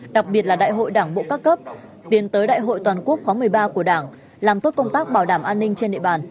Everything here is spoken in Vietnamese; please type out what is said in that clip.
đặc biệt là đại hội đảng bộ các cấp tiến tới đại hội toàn quốc khóa một mươi ba của đảng làm tốt công tác bảo đảm an ninh trên địa bàn